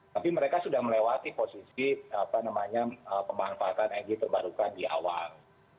tapi mereka sudah melewati posisi pemanfaatan energi terbarukan di awal